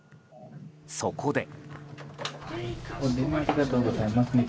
そこで。